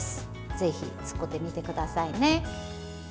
ぜひ作ってみてくださいね。